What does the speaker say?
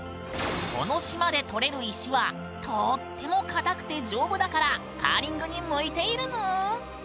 この島で採れる石はとっても硬くて丈夫だからカーリングに向いているぬん！